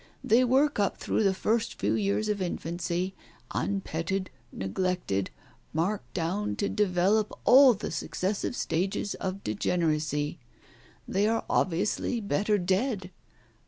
They work up through the first few years of infancy, unpetted, neglected, marked down to develop all the successive stages of degeneracy. They are obviously better dead.